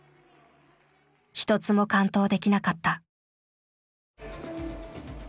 一つも完登できなかった。